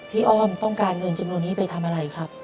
อ้อมต้องการเงินจำนวนนี้ไปทำอะไรครับ